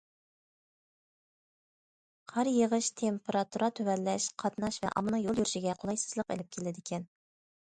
قار يېغىش، تېمپېراتۇرا تۆۋەنلەش قاتناش ۋە ئاممىنىڭ يول يۈرۈشىگە قولايسىزلىق ئېلىپ كېلىدىكەن.